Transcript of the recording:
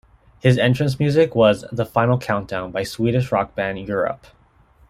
His entrance music was "The Final Countdown" by Swedish rock band Europe.